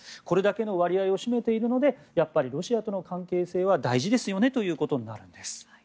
これだけの割合を占めているのでロシアとの関係性は大事ですよねということになるんです。